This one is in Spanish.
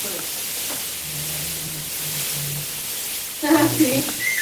Materiales:Tirafondo en Baquelita de acero y casco en baquelita.